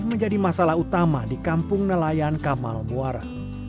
menjadi masalah utama di kampung nelayan kamal muara